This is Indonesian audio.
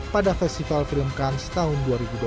pada festival filmkans tahun dua ribu dua puluh dua